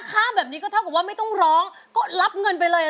กลับบ้านคงจะไม่พอแน่